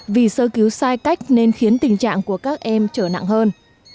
vì sơ cứu sai cách nên khiến tình trạng của các em trở nặng hơn